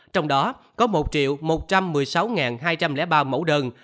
trong đó có một một trăm một mươi sáu hai trăm linh ba mẫu đơn